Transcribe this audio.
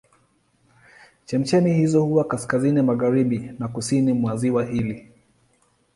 Chemchemi hizo huwa kaskazini magharibi na kusini mwa ziwa hili.